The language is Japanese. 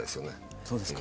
そうですか？